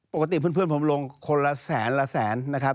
ปกติเพื่อนผมลงคนละแสนละแสนนะครับ